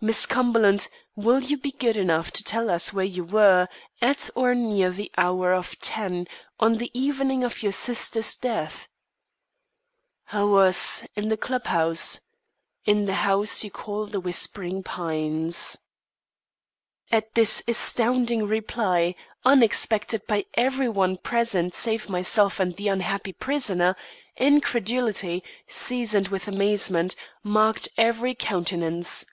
"Miss Cumberland, will you be good enough to tell us where you were, at or near the hour of ten, on the evening of your sister's death?" "I was in the club house in the house you call The Whispering Pines." At this astounding reply, unexpected by every one present save myself and the unhappy prisoner, incredulity, seasoned with amazement, marked every countenance.